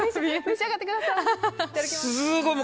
召し上がってください。